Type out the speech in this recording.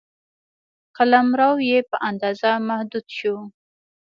قلمرو یې په اندازه محدود شو.